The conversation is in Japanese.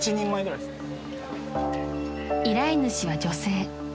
［依頼主は女性］